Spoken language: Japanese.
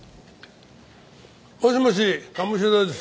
もしもし鴨志田です。